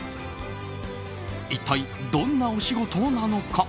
一体どんなお仕事なのか。